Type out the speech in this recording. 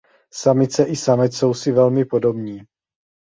Samice i samec jsou si velmi podobní.